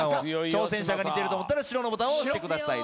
挑戦者が似てると思ったら白のボタンを押してください。